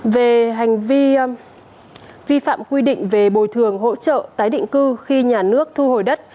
về hành vi vi phạm quy định về bồi thường hỗ trợ tái định cư khi nhà nước thu hồi đất